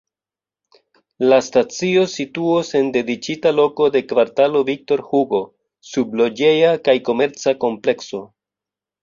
La stacio situos en dediĉita loko de kvartalo Victor-Hugo, sub loĝeja kaj komerca komplekso.